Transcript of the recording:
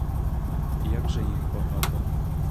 І як же їх багато!